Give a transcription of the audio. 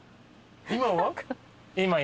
今は？